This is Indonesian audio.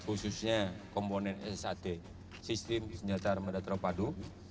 khususnya komponen sat sistem senjata armada terpadu